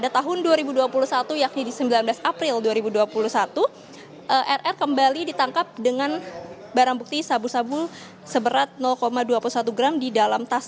tim liputan kompas tv